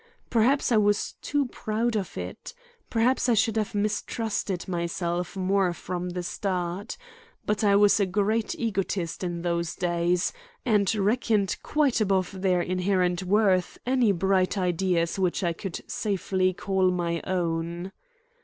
Perhaps I was too proud of it. Perhaps I should have mistrusted myself more from the start. But I was a great egotist in those days, and reckoned quite above their inherent worth any bright ideas which I could safely call my own.